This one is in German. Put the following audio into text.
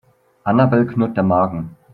Annabel knurrt der Magen.